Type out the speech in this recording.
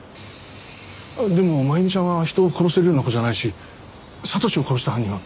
でも真弓ちゃんは人を殺せるような子じゃないし悟史を殺した犯人は別にいる。